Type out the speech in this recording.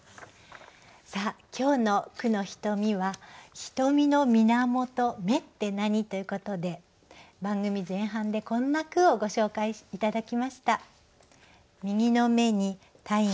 今日の「句のひとみ」は「ひとみのみなもと『目』って何？」ということで番組前半でこんな句をご紹介頂きました。